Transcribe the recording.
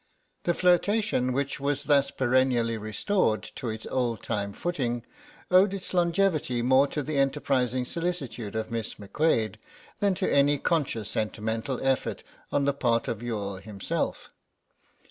The flirtation which was thus perennially restored to its old time footing owed its longevity more to the enterprising solicitude of Miss McQuade than to any conscious sentimental effort on the part of Youghal himself.